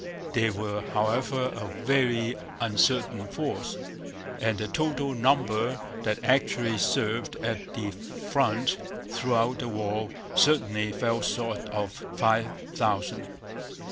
They were, however, a very uncertain force; and the total number that actually served at the front throughout the war certainly fell short of five thousand.